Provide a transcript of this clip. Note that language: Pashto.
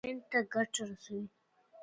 چې ټولنې ته ګټه رسوي.